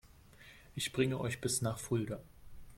Ich bringe euch bis nach Fulda